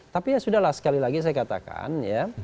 tapi ya sudah lah sekali lagi saya katakan ya